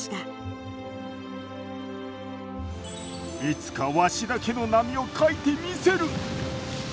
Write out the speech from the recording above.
いつかわしだけの波を描いてみせる。